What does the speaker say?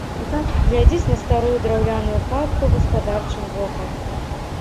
Глядзіць на старую драўляную хатку гаспадарчым вокам.